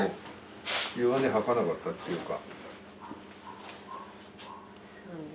弱音吐かなかったっていうか。